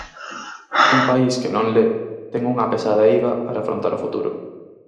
Un país que non le ten unha pesada eiva para afrontar o futuro.